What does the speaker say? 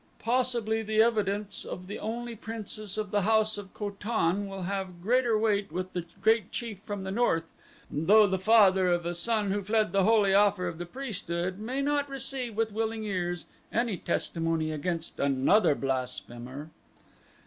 "Possibly the evidence of the only princess of the house of Ko tan will have greater weight with the great chief from the north, though the father of a son who fled the holy offer of the priesthood may not receive with willing ears any testimony against another blasphemer."